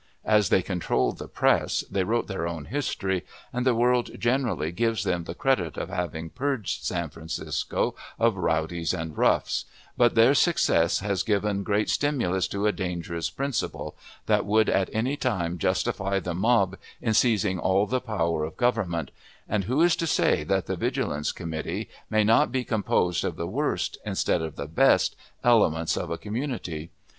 As they controlled the press, they wrote their own history, and the world generally gives them the credit of having purged San Francisco of rowdies and roughs; but their success has given great stimulus to a dangerous principle, that would at any time justify the mob in seizing all the power of government; and who is to say that the Vigilance Committee may not be composed of the worst, instead of the best, elements of a community?